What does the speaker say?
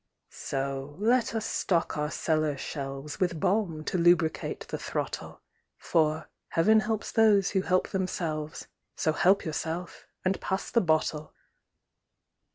So let us stock our cellar shelves With balm to lubricate the throttle; For "Heav'n helps those who help themselves," So help yourself, and pass the bottle!